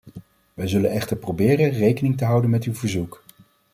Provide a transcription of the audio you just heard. Wij zullen echter proberen rekening te houden met uw verzoek.